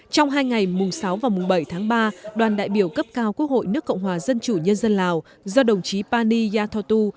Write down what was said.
trong hai ngày mùng sáu và mùng bảy tháng ba đoàn đại biểu cấp cao quốc hội nước cộng hòa dân chủ nhân dân lào do đồng chí pani yathotu